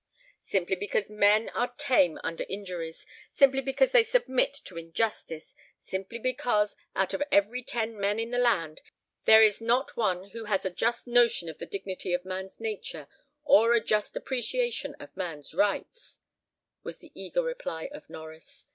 "Simply because men are tame under injuries; simply because they submit to injustice; simply because, out of every ten men in the land, there is not one who has a just notion of the dignity of man's nature, or a just appreciation of man's rights," was the eager reply of Norries.